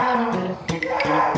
ada yang kalian gak tau